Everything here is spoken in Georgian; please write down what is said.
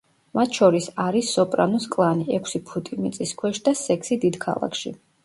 მათ შორის არის სოპრანოს კლანი, ექვსი ფუტი მიწის ქვეშ, და სექსი დიდ ქალაქში.